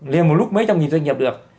liền một lúc mấy trăm nghìn doanh nghiệp được